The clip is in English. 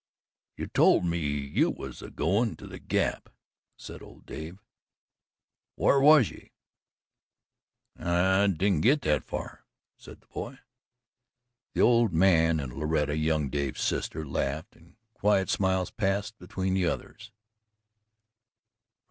"You TOLD me you was a goin' to the Gap," said old Dave. "Whar was ye?" "I didn't git that far," said the boy. The old man and Loretta, young Dave's sister, laughed, and quiet smiles passed between the others.